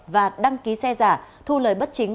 và đăng ký xe giả thu lời bất chính